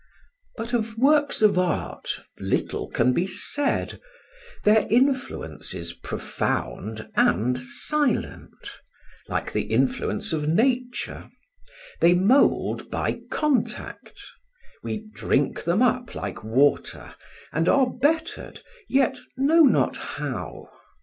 But of works of art little can be said; their influence is profound and silent, like the influence of nature; they mould by contact; we drink them up like water, and are bettered, yet know not how.